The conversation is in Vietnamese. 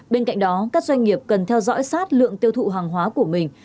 bên cạnh đó các doanh nghiệp cần theo dõi sát lượng tiêu thụ hàng hóa của mình